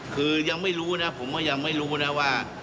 คือยังไม่รู้นะผมก็ยังไม่รู้นะว่า